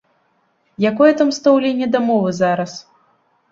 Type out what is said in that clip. Якое там стаўленне да мовы зараз?